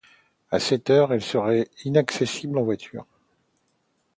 À cette date, elle était inaccessible en voiture.